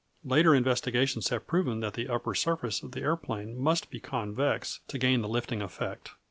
Later investigations have proven that the upper surface of the aeroplane must be convex to gain the lifting effect.